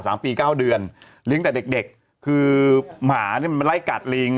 สามปีเก้าเดือนเลี้ยงแต่เด็กเด็กคือหมาเนี่ยมันไล่กัดลิง